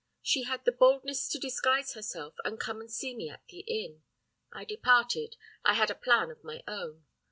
She had the boldness to disguise herself and come and see me at the inn. I departed, I had a plan of my own.